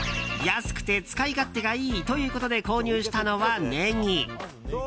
安くて使い勝手がいいということで購入したのはネギ。